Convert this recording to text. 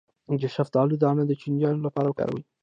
د شفتالو دانه د چینجیانو لپاره وکاروئ